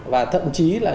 và thậm chí là